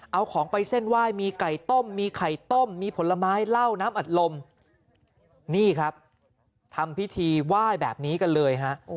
เอาของไปเส้นไหว้มีไก่ต้มมีไข่ต้มมีผลไม้เหล้าน้ำอัดลมนี่ครับทำพิธีไหว้แบบนี้กันเลยฮะ